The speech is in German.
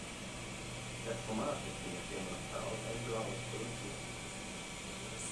Das Format wird von der Firma south&browse produziert.